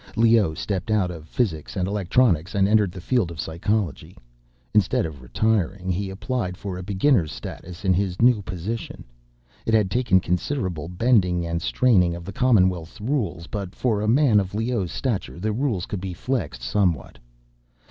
Leoh stepped out of physics and electronics, and entered the field of psychology. Instead of retiring, he applied for a beginner's status in his new profession. It had taken considerable bending and straining of the Commonwealth's rules—but for a man of Leoh's stature, the rules could be flexed somewhat.